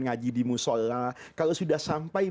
ngaji di musola kalau sudah sampai